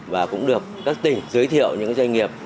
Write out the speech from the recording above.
và cũng được các tỉnh giới thiệu những doanh nghiệp